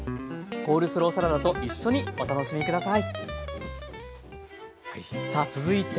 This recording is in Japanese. コールスローサラダと一緒にお楽しみ下さい。